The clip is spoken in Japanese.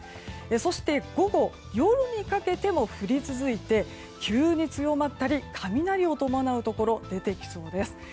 そして、午後夜にかけても降り続いて急に強まったり雷を伴うところが出てきそうです。